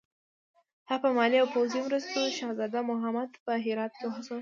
هغه په مالي او پوځي مرستو شهزاده محمود په هرات کې وهڅاوه.